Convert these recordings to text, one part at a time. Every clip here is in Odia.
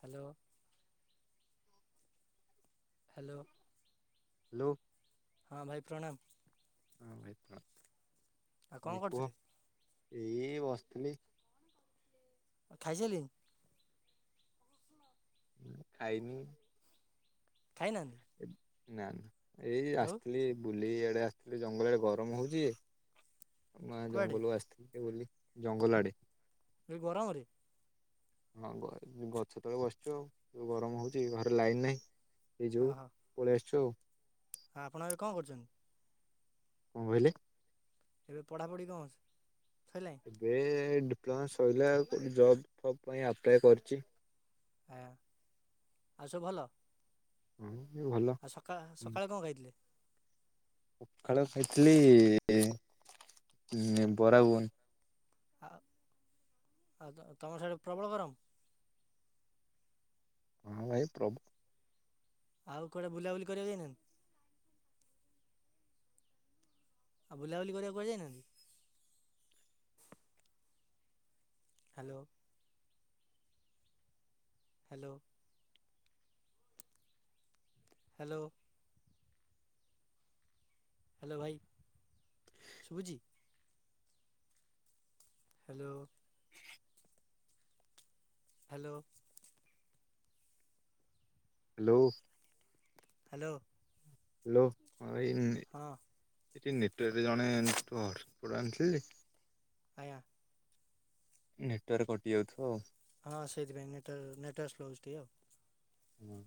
ହାଲୋ। ହାଲୋ। ହାଲୋ। ହଁ ଭାଇ ପ୍ରଣାମ। ଭାଇ ପ୍ରଣାମ ଆଉ ଭାଇ କଣ କୁହ କରୁଥିଲେ? ଏଇ ବସିଥିଲି। ଖାଇସାଇଲେଇଁ? ହୁଁ ଖାଇନି। ଖାଇନାହାନ୍ତି? ନା ନା। ଏଇ ଆଉ ଆସିଥିଲି ବୁ ଲି ଇଆଡେ ଆସିଥିଲି ଜଙ୍ଗଲ ଆଡେ ଗରମ ହଉଛି। ନା କୁଆଡ଼େ ଜଙ୍ଗଲ କୁ ଆସିଥିଲି ଟିକେ ବୁଲି। ଜଙ୍ଗଲ ଆଡେ। ଏଇ ଗରମ ରେ? ହଁ ଗ ଗଛ ତଳେ ବସିଛୁ ଆଉ ଗରମ ହଉଚି ଘରେ ଲାଇନ ନାହିଁ ସେଇ ଯଉ ପଳେଇ ଆସୁଛୁ ଆଉ। ଆ ଆପଣ ଏବେ କଣ କରୁଚନ୍ତି? କଣ କହିଲେ ଏବେ ପଢ଼ାପଢ଼ି କଣ ଅଛି? ଏବେ ଡି ଡିପ୍ଲୋମା ସଇଲା ଗୋଟେ ଜବ୍ ଫବ୍ ପାଇଁ ଆପ୍ଲାଏ କରିଚି। ହାଁ ଆଉ ସବୁ ଭଲ? ହୁଁ। ଆଉ ସକାଳ ସକାଳେ କଣ ଖାଇଥିଲେ? ପଖାଳ ଖାଇଥିଲି ଉଁ ବରା ଘୁଘୁନି ଆ ଆଉ ତମର ସେଆଡେ଼ ପ୍ରବଳ ଗରମ? ହଁ ଭାଇ ପ୍ରବଳ ଆଉ କୁଆଡେ ବୁଲାବୁଲି କରିବାକୁ ଯାଇନାହାନ୍ତି? ଆଉ ବୁଲାବୁଲି କରିବାକୁ କୁଆଡେ ଯାଇନାହାନ୍ତି? ହ୍ୟାଲୋ। ହ୍ୟାଲୋ। ହ୍ୟାଲୋ। ହ୍ୟାଲୋ ଭାଇ ଶୁଭୁଚି? Hello. Hello. Hello. Hello. Hello. ହଁ ଭାଇ [unintelligible] ହଁ ଏଠି ନେଟୱାର୍କରେ ଜଣେଠୁ ହସୋପୋଟ ଆଣିଥିଲି। ଆଜ୍ଞା। ନେଟୱାର୍କ କଟି ଯାଉଥିବ। ହଁ ସେଇଥିପାଇଁ ନେଟୱର ନେଟୱର୍କ ସ୍ଲୋ ହଉଛି ଟିକେ ଆଉ। ହୁଁ।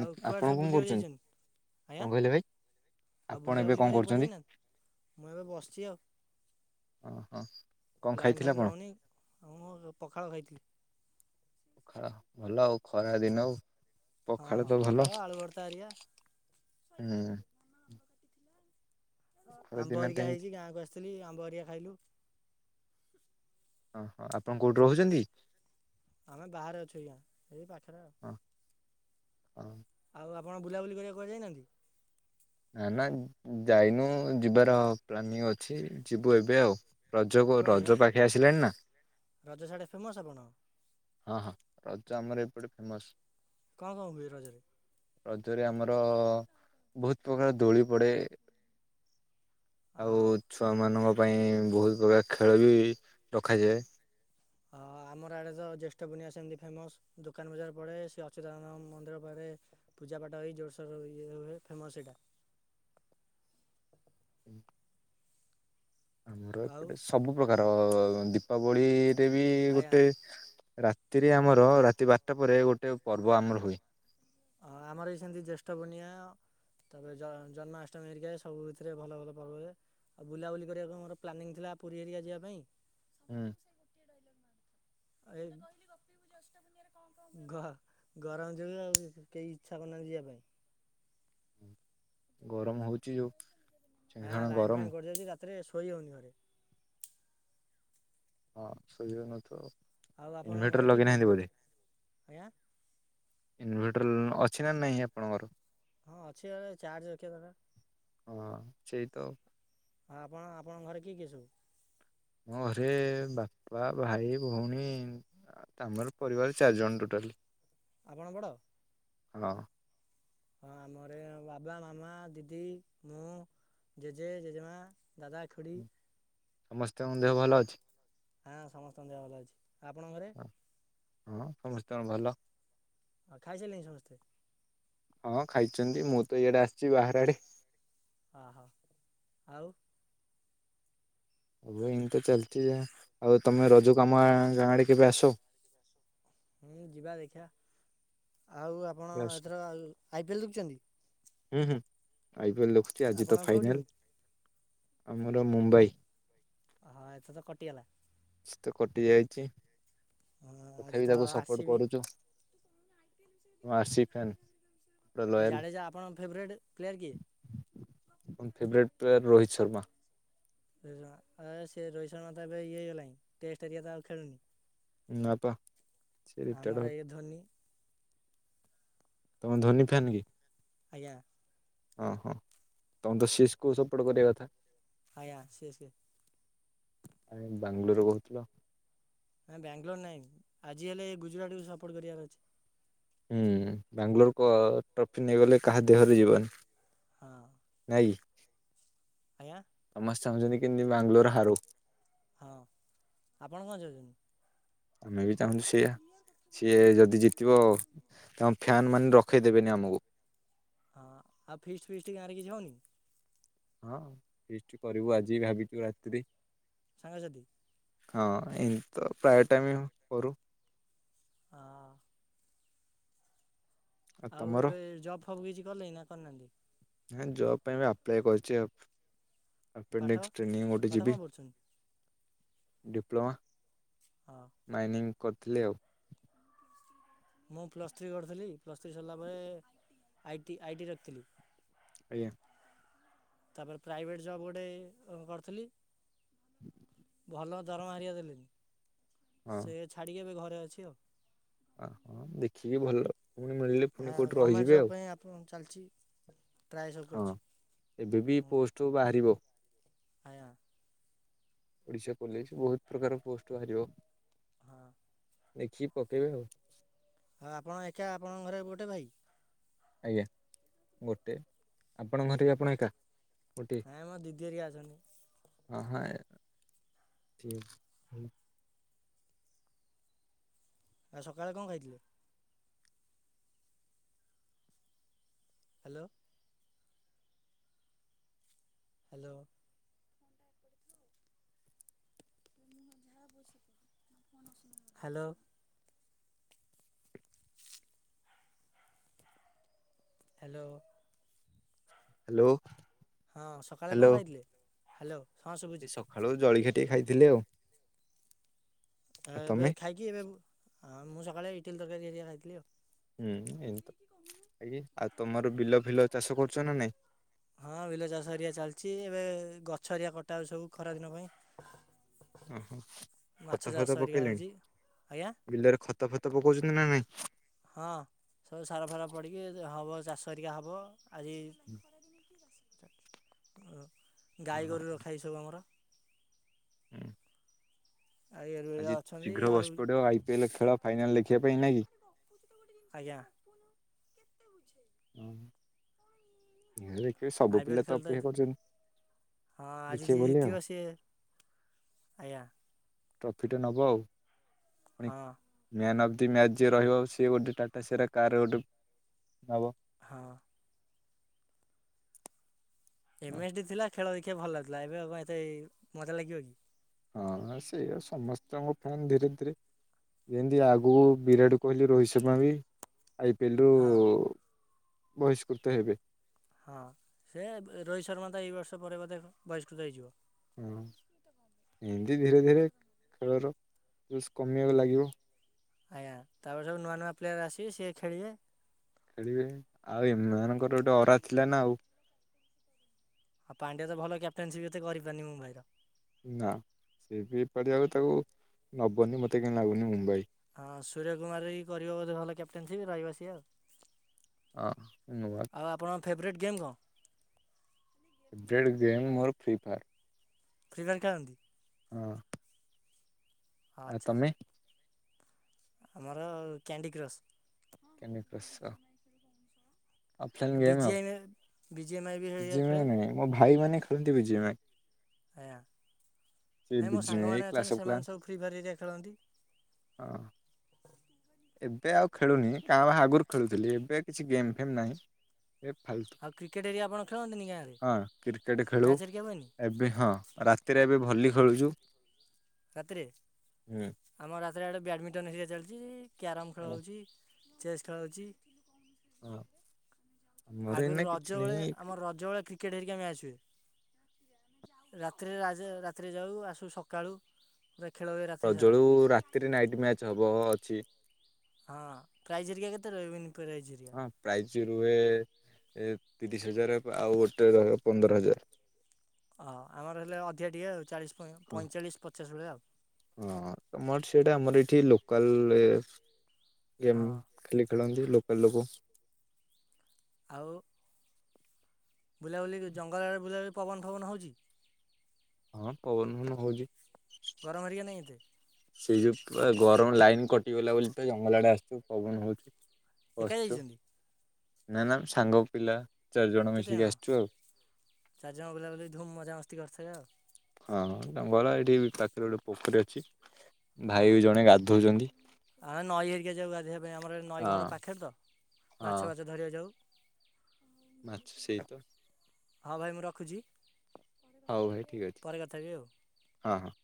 ଆଉ କୁଆଡେ ସବୁ ବୁଲିବାକୁ ଯାଇଛନ୍ତି କଣ ଆଜ୍ଞା କହିଲେ ଭାଇ ଆଉ ଆପଣ ବୁଲିବା ଏବେ ବୁଲି କଣ କରିବାକୁ କୁଆଡେ କରୁଛନ୍ତି? ଯାଇନାହାନ୍ତି ମୁଁ ଏବେ ବସିଛି ଆଉ। ଓ ହୋ। ଲାଇନ୍ ଫାଇନ୍ ରହୁନି ଆଉ ମୁଁ ପଖାଳ ଖାଇଥିଲି। ଖ ଭଲ ଆଉ ଖରା ଦିନ ଆଉ। ହଁ ପଖାଳ ତ ଭଲ ପଖାଳ ଆଳୁ ଭ୍ରତା ହେରିକା। ହୁଁ ଖରା ଦିନ ଆମ୍ବ ତ ହେରିକା ଏମିତି ହେଇଛି ଗାଁକୁ ଆସିଥିଲି ଆମ୍ବ ହେରିକା ଖାଇଲୁ। ଓ ହଁ ଆପଣ କୋଉଠୁ ରହୁଛନ୍ତି? ଆମେ ବାହାରେ ଅଛୁ ଆଜ୍ଞା ଏଇ ପାଖରେ ଆଉ। ହଁ ହଁ। ଆଉ ଆପଣ ବୁଲାବୁଲି କରିବା କୁ କୁଆଡ଼େ ଯାଇନାହାନ୍ତି? ନା ନା ଯାଇନୁ ଯିବାର ପ୍ଲାନିଂ ଅଛି ଯିବୁ ଏବେ ଆଉ। ରଜ କ କୁଆଡ଼େ ବା ରଜ ପାଖେ ଆସିଲାଣି ନା। ରଜ ସାଡେ ଫେମସ ଆପଣ ହଁ ହଁ ରଜ ଆମର ଏପଟେ ଫେମସ। କଣ କଣ ହୁଏ ରଜରେ? ରଜରେ ଆମର ବହୁତ ପ୍ରକାର ଦୌଳି ପଡ଼େ। ଆଉ ଓହୋ। ଛୁଆ ମାନଙ୍କ ପାଇଁ ବହୁତ ପ୍ରକାର ଖେଳ ବି ରଖାଯାଏ। ହଁ ଆମର ଆଡେ ତ ଜ୍ୟେଷ୍ଠ ପୂର୍ଣ୍ଣିମା ସେମିତି ଫେମସ ଦୋକାନ ବଜାର ପଡେ ସେ ଅଚ୍ୟୁତା ନନ୍ଦଙ୍କ ମନ୍ଦିର ପାଖରେ ପୂଜାପାଠ ହେଇ ଜୋରସୋର ଇ ହୁଏ ଫେମସ ସେଇଟା। ହୁଁ। ଆମର ଆଉ ଏପଟେ ସବୁ ପ୍ରକାର ଦୀପାବଳୀ ବି ଆଜ୍ଞା ଗୋଟେ ରାତିରେ ଆମର ରାତି ବାରଟା ପରେ ଗୋଟେ ପର୍ବ ଆମର ହୁଏ। ହଁ ଆମର ବି ସେମିତି ଜ୍ୟେଷ୍ଠ ପୂର୍ଣ୍ଣିମା ତାପରେ ଜନ୍ମାଷ୍ଟମୀ ହେରିକା ସବୁ ଭିତରେ ଭଲ ଭଲ ପର୍ବ ହୁଏ ଆଉ ବୁଲାବୁଲି କରିବାକୁ ମୋର ପ୍ଲାନିଂ ଥିଲା ପୁରୀ ହେରିକା ଯିବା ପାଇଁ ହୁଁ। ଏ ଗରମ ଯୋଗୁ ଆଉ କେହି ଇଚ୍ଛା କରୁନାହାଁନ୍ତି ଯିବା ପାଇଁ। ଗରମ ହଉଛି ଯୋଉ ହଁ ଭୀଷଣ ଲାଇନ୍ ଗରମ ଫାଇନ୍ କଟି ଯାଉଛି ରାତି ରାତିରେ ଶୋଇ ହଉନି ଘରେ। ହଁ ଶୋଇ ହଉନଥିବ। ଆଉ ଆପଣଙ୍କ ଘରେ ଇନଭର୍ଟର କିଏ ଲଗେଇ କିଏ ନାହାଁନ୍ତି ସବୁ? ବୋଧେ? ଆଜ୍ଞା। ଇନଭଟର ଅଛି ନା ନାଇଁ ଆପଣଙ୍କର? ହଁ ଅଛି [unintelligible] ଚାର୍ଜ ରଖିଆ ଦରକାର। ହଁ ସେଇ ତ। ଆଉ ଆପଣ ଆପଣଙ୍କ ଘରେ କିଏ କିଏ ସବୁ? ମୋ ଘରେ ବାପା ଭାଇ ଭଉଣୀ ଆମର ପରିବାର ଚାରିଜଣ ଟୋଟାଲି। ଆପଣ ବଡ? ହଁ। ହଁ ଆମ ଘରେ ବାବା ମାମା ଦିଦି ମୁଁ ଜେଜେ ଜେଜେମା ଦାଦା ଖୁଡ଼ି ସମସ୍ତଙ୍କ ଦେହ ଭଲ ଅଛି? ହଁ ସମସ୍ତଙ୍କ ଦେହ ଭଲ ଅଛି ଆପଣଙ୍କ ଘରେ? ସମସ୍ତଙ୍କ ଭଲ। ଆଉ ଖାଇସାରିଲଣିି ସମସ୍ତେ? ହଁ ଖାଇଛନ୍ତି ମୁଁ ତ ଇଆଡେ ଆସିଛି ବାହାର ଆଡେ ହଁ ହଉ ଆଉ। ହଁ ଏମିତି ତ ଚାଲିଛି ଆଉ ତମେ ରଜକୁ ଆମ ଗାଁ ଆଡ଼େ କେବେ ଆସ। ହୁଁ ଯିବା ଦେଖିବା। ଆଉ ଆପଣ ଆସ ଏଥର ଆଇ ପି ଏଲ ଦେଖୁଛନ୍ତି। ହୁଁ ହୁଁ ଆଇ ପିଏ ଲ ଦେଖୁଛି ଆଜି ତ ଆପଣଙ୍କ କେଉଁ ଟିମ୍ ଫାଇନାଲ। ଆମର ମୁମ୍ବାଇ। ହଁ ଏଥ ତ କଟିଗଲା‌। ସେ ତ କଟି ଯାଇଚି ହଁ ‌। ଆଜି ତଥାପି ତ ତାକୁ ଆର୍ ସି ସପୋର୍ଟ ବି କରୁଚୁ। ମା ଆସି ଫ୍ୟାନ୍। ପୁରା ଆଉ ଲୟାଲ ଜାଡେଜା ଆପଣ ଫେବରେଟ ପ୍ଲେୟାର କି? ମୁଁ ଇନ୍ ଫେବରଟ ପ୍ଲେୟାର ରୋହିତ ଶର୍ମା। ଏ ଯ ଏ ସେ ରୋହିତ ଶର୍ମା ତ ଏବେ ଇଏ ହେଇଗଲାଆଁ ଟେଷ୍ଟ ହେରିକା ତ ଆଉ ଖେଳୁନି। ନାଁ ପା ସେ ଆମର ରିଟାୟାର୍ଡ ଆ ଇଏ ଧୋନି ତମେ ଧୋନି ଫ୍ୟାନ କି? ଆଜ୍ଞା। କଁ ହଁ ତମେ ତ ଶି ଏସ୍ କୋ ସପୋର୍ଟ କରିବା କଥା। ଆଜ୍ଞା ସିଏ ସିଏ‌। ଆଗେ ବାଙ୍ଗଲୁରୁ କୋହୁଥୁଲ। ନାଁ ବାଙ୍ଗାଲୋର ନହିଁ ଆଜି ହେଲେ ଏ ଗୁଜୁରାଟକୁ ସପୋର୍ଟ କରିବାର ଅଛି। ହୁଁ ବାଙ୍ଗାଲୋର କ ଟ୍ରଫି ନେଇଗଲେ କାହା ଦେହରେ ଯିବନି। ହଁ ଏଇ ଆଜ୍ଞା ସମସ୍ ଚାହୁଁଚନ୍ତି କେମତି ବାଙ୍ଗଲୋର ହାରୁ‌ ହଁ ଆପଣ କଣ ଚାହୁଁଚନ୍ତି? ଆମେ ବି ଚାହୁଁଚୁ ସେଇଆ ସିଏ ଯଦି ଜିତିବ ତମ ଫ୍ୟନ୍ ମାନେ ରଖେଇ ଦେବେନି ଆମୁକୁ ହଁ ଆଉ ଫିଷ୍ଟ ଫିଷ୍ଟ ଗାଁରେ କିଛି ହଉନି? ହଁ ଫିଷ୍ଟ୍ କରିବୁ ଆଜି ଭାବିଥିବୁ ରାତିିରେ‌ ସାଙ୍ଗ ସାଥି ହଁ ଏଇଁ ତ ପ୍ରାୟ ଟାଇମ ହଁ କରୁ। ହଁ। ଆଉ ଏବେ ଜବ୍ ଫବ୍ କିଛି କଲେଇଁ ନାଁ କରିନାହାନ୍ତି। ନାଇଁ ଜବ ପାଇଁ ବା ଆପ୍ଲାଏ କରିଚି। ପାଠ ଆପେଣ୍ଡିକ୍ସ୍ ଟ୍ରନିଙ୍ଗ୍ ଗୋଟେ ପାଠ କଣ ଯିବି। ପଢ଼ୁଛନ୍ତି ଡିପ୍ଲୋମା। ହଁ ମାଇନିଂ କରଥିଲି ଆଉ। ମୁଁ ପ୍ଲସ୍ ଥ୍ରୀ କରିଥିଲି ପ୍ଲସ୍ ଥ୍ରୀ ସରିଲା ପରେ ଆଇଟି ଆଇ ଟି ରଖିଥିଲି ଆଜ୍ଞା। ତାପରେ ପ୍ରାଇଭେଟ ଜବ ଗୋଟେ ଅ କରିଥିଲି ଭଲ ଦରମା ହେରିକା ଦେଲିନି। ସେ ଛାଡ଼ିକି ଏବେ ଘରେ। ସେୟା ଅଛି ଆଉ। ଆ ହୋ ଦେଖିକି ଭଲ। ପୁଣି ମିଳିଲେ ହଁ ପୁଣି କୋଉଠି ଗଭର୍ଣ୍ଣମେଣ୍ଟ ରହିଯିବେ ଜବ୍ ଆଉ। ପାଇଁ ଆପଣ ଚାଲିଛି? ଟ୍ରାଏ ସବୁ ହଁ କରିଛି ଏବେ ବି ହଁ ପୋଷ୍ଟରୁ ବାହାରିବ। ଆଜ୍ଞା। ଓଡିଶା କଲେଜ ବହୁତ ପ୍ରକାର ପୋଷ୍ଟ ବାହାରିବ। ହଁ। ଦେଖିକି ପକେଇବେ ଆଉ। ଆଉ ଆପଣ ଏକା ଆପଣଙ୍କ ଘରେ ଗୋଟେ ଭାଇ। ଆଜ୍ଞା ଗୋଟେ ଆପଣଙ୍କ ଘରେ ବି ଆପଣ ଏକା। ଗୋଟିଏ ନାଇଁ ମୋ ଦିଦି ହେରିକା ଅଛନ୍ତି। ହଁ ହଁ ଠିକ ଆଉ ସକାଳେ କଣ ଖାଇଥିଲେ? Hello. Hello. Hello. Hello. Hello. ହଁ ସକାଳେ କଣ ଖାଇଥିଲେ? ହ୍ୟାଲୋ। ହଁ ଶୁଭୁଛି ସେଇ ସକାଳୁ ଜଳଖିଆ ଗୋଟେ ଖାଇଥିଲି ଆଉ। ହ ଆଉ ଏବେ ତମେ ଖାଇକି ଏବେ ମୁଁ ସକାଳେ ଇଟିଲ ତରକାରୀ ହେରିକା ଖାଇଥିଲି ଆଉ। ହୁଁ ଏମ ତ [unintelligible] ଆଉ ତମର ବିଲ ଫିଲ ଚାଷ କରୁଛ ନା ନାଇଁ? ହଁ ବିଲ ଚାଷ ହେରିକା ଚାଲିଛି ଏବେ ଗଛ ଏରିଆ କଟା ସବୁ ଖରା ଦିନ ପାଇଁ। ଓହୋ ମାଛ ଖତ ଚାଷ ଫତ ହେରିକା ପକେଇଲେଣି ହେଉଛି ଆଜ୍ଞା ବିଲରେ ଖତ ଫତ ପକଉଛନ୍ତି ନା ନାଇଁ? ହଁ ସବୁ ସାର ଫାର ପଡିକି ହବ ଚାଷ ହେରିକା ହବ। ଆଜି ହଁ। ଗାଈ ଗୋରୁ ରଖା ହେଇଛି ସବୁ ଆମର। ହୁଁ। ଆୟୁର୍ବେଦ ଆଜି ଅଛନ୍ତି ଶୀଘ୍ର ଆଉ ବସି ପଡିବ ଆଇ ପି ଏଲ ଖେଳ ଫାଇନାଲ ଦେଖିବା ପାଇଁ ନାଇଁ କି? ଆଜ୍ଞା। ହୁଁ ହେଲେ ଆଇ ପି ଏଲ ଖେଳ ତ ହଁ ଆଜି ଦେଖିବେ ଯିଏ ବୋଲି ଆଉ ଜତିିବ ସିଏ ଆଜ୍ଞା। ଟ୍ରଫି ଟେ ନବ ଆଉ। ହଁ ମ୍ୟାନ ଅ ମ୍ୟାଚ୍ ଯିଏ ରହିବ ସିଏ ଗୋଟେ ଟାଟା ସେରା କାର୍ ଗୋଟେ ନବ। ହଁ। ଏମ ଏସ୍ ଡି ଥିଲା ଖେଳ ଦେଖିଆକୁ ଭଲ ଲାଗୁଥିଲା ଏବେ ଆଉ କଣ ଏତେ ମଜା ଲାଗିବ କି? ହଁ ସେଇଆଉ ସମସ୍ତଙ୍କ ଫ୍ୟାନ୍ ଧୀରେ ଧୀରେ ଯେମିତି ଆଗକୁ ବିରାଟ କୋହଲି, ରୋହିତ ଶର୍ମା ବି ଆଇ ପି ଏଲ ରୁ ହଁ ବହିଷ୍କୃତ ହେବେ। ହଁ ସେ ରୋହିତ ଶର୍ମା ତ ଏଇ ବର୍ଷ ପରେ ବୋଧେ ବହିଷ୍କୃତ ହେଇଯିବ। ହୁଁ ଉଁ। ଦି ଧୀରେ ଧୀରେ ଖେଳର ଜୋସ୍ କମିବାକୁ ଲାଗିବ। ଆଜ୍ଞା ତାପରେ ସବୁ ନୂଆ ନୂଆ ପ୍ଲେୟାର ଆସିବେ ସିଏ ଖେଳିବେ। ଖେଳିବେ ଆଉ ଏମାନଙ୍କର ଗୋଟେ ଅରା ଥିଲା ନା ଆଉ। ଆଉ ପାଣ୍ଡିଆ ତ ଭଲ କ୍ୟାପଟେନ୍ ସିଏ ଏତେ କରିପାରୁନି ମୁମ୍ବାଇର। ନା ସେ ବି ଏପାରିଆକୁ ତାକୁ ନବନି ମତେ କାହିଁ ଲାଗୁନି ମୁମ୍ବାଇ। ହଁ ସୂର୍ଯ୍ୟ କୁମାର କରିବ ବୋଧେ ଭଲ କ୍ୟାପ୍ଟେନ ସିପ୍ ରହିବ ସିଏ ଆଉ। ହଁ ନୂଆ ଫେବରାଇଟ୍ ଗେମ୍ କଁ? ଫେବରାଇଟ୍ ଗେମ୍ ମୋର ଫ୍ରି ଫାୟାର୍। ଫ୍ରି ଫାୟାର ଖେଳନ୍ତି? ହଁ। ଆଉ ଆଚ୍ଛା ତମେ? ଆମର କ୍ୟାଣ୍ଡି କ୍ରସ୍। କ୍ୟାଣ୍ଡି କ୍ରସ ଅ। ଅଫଲାଇନ ଗେମ୍ ଆଉ, ବିଜିଏମ ବିଜିଏମ୍ଆଇ ବି ହେରିକା ଜି ଖେଳେ ଏମ ଆଇ ମୋ ଭାଇ ମାନେ ଖେଳନ୍ତି ବି ଜି ଏମ ଆଇ। ଆଜ୍ଞା ନାଇଁ ମୋ ବିଜିଏମ୍ ସାଙ୍ଗମାନେ କ୍ଲାସ୍ ଅଛନ୍ତି ଅଫ୍ କ୍ଲାନ୍ ସେମାନେ ସବୁ ଫ୍ରି ଫାୟାର ହେରିଆ ଖେଳନ୍ତି। ହଁ। ଏବେ ଆଉ ଖେଳୁନି କାଁ ଭାଁ ଆଗରୁ ଖେଳୁଥିଲି, ଏବେ କିଛି ଗେମ୍ ଫେମ୍ ନାହିଁ। ଫାଲତୁ ଆଉ କ୍ରିକେଟ୍ ହେରିକା ଆପଣ ଖେଳନ୍ତିନି ଗାଁରେ ହଁ କ୍ରିକେଟ ଖେଳୁ, ମ୍ୟାଚ୍ ହେରିକା ହୁଏନି ଏବେ ହଁ ରାତିରେ ଏବେ ଭଲି ଖେଳୁଛୁ। ରାତିରେ ହୁଁ ଆମ ରା ଇଆଡେ ବ୍ୟାଡମିଣ୍ଟନ ହେରିକା ଚାଲିଛି। କ୍ୟାରମ୍ ଖେଳ ହଁ ହଉଛି। ଚେଷ୍ ଖେଳ ହଉଛି। ହଁ। ଆମର ଆଗରୁ ଏଇନା କିଛି ରଜ ବେଳେ ନାହିଁ ଆମର ରଜ ବେଳେ କ୍ରିକେଟ ହେରିକା ମ୍ୟାଚ୍ ହୁଏ। ରାତିରେ ରାତିରେ ଯାଉ ଆସୁ ସକାଳୁ। ପୁରା ଖେଳ ହୁଏ ରାତି ରଜ ସାରା ବେଳକୁ ରାତିରେ ନାଇଟ୍ ମ୍ୟାଚ ହବ ଅଛି। ହଁ ପ୍ରାଇଜ ହେରିକା କେତେ ରହେ ଉ ହଁ ପ୍ରାଇଜ ରୁହେ ତିରିଶ ହଜାର ଆଉ ଗୋଟେ ରହେ ପନ୍ଦର ହଜାର। ଓ ହ ଆମର ହେଲେ ଅଧିକା ଟିକେ ଆଉ ଚାଳିଶ ହଁ ପଇଁଚାଳିଶ ପଚାଶ ଭଳିଆ ହଁ ତମର ସେଟା ଆମର ଏଇଠି ଲୋ କାଲ ଗେମ୍ ଆଉ ହଁ ଖାଲି ଖେଳନ୍ତି ଲୋ [unintelligible] ଆଉ ବୁଲାବୁଲି ଜଙ୍ଗଲ ଆଡ଼େ ବୁଲାବୁଲି ପବନ ଫବନ ହଉଛି? ହଁ ପବନ ହଉଚି। ଗରମ ହେରିକା ନାହିଁ ଏତେ? ଯୋଉ ଗରମ ଲାଇନ କଟିଗଲା ବୋଲି ତ ଜଙ୍ଗଲ ଆଡେ ଆସିଛୁ ପବନ ହଉଛି। ଏକା ବସିଛୁ। ଯାଇଛନ୍ତି? ନା ନା ଆମେ ସାଙ୍ଗ ପିିଲା କେତେଜଣ? ଚାରିଜଣ ବୁଲାବୁଲି ଧୁମ୍ ମଜାମସ୍ତି କରିଥିବେ ଆଉ। ହଁ ଜଙ୍ଗଲ ଏଇଠି ପାଖରେ ଗୋଟେ ପୋଖରୀ ଅଛି। ହଁ ଭାଇ ଜଣେ ଗାଧଉଛନ୍ତି ଆ ନଈ ହେରିକା ଯାଉ ଗାଧେଇ ବା ପାଇଁ ଆମର ନଈ ଘର ହଁ ପାଖରେ ତ ହଁ ମାଛ ପାଛ ଧରିବାକୁ ଯାଉ। ମାଛ ସେଇଆ ତ। ହଉ ଭାଇ ମୁଁ ରଖୁଚି। ହଉ ଭାଇ ଠିକ ଅଛି ହଁ ହଁ।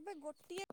ଆବେ ଗୋଟିଏ